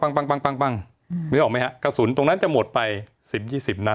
เห็นหรือหรือไม่ฮะกระสุนตรงนั้นจะหมดไป๑๐๒๐นัด